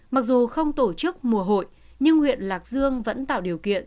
mặc dù không tổ chức mùa hội nhưng huyện lạc dương vẫn tạo điều kiện